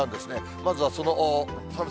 まずはその寒さ